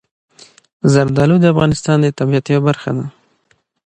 زردالو د افغانستان د طبیعت یوه برخه ده.